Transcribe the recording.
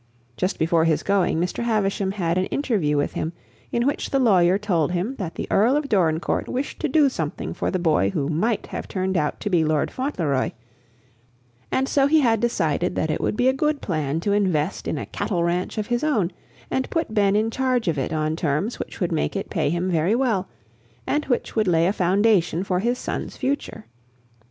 Just before his going, Mr. Havisham had an interview with him in which the lawyer told him that the Earl of Dorincourt wished to do something for the boy who might have turned out to be Lord Fauntleroy, and so he had decided that it would be a good plan to invest in a cattle ranch of his own, and put Ben in charge of it on terms which would make it pay him very well, and which would lay a foundation for his son's future.